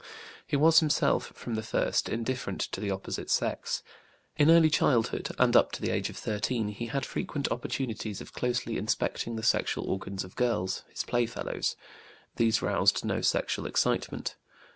He was himself, from the first, indifferent to the opposite sex. In early childhood, and up to the age of 13, he had frequent opportunities of closely inspecting the sexual organs of girls, his playfellows. These roused no sexual excitement.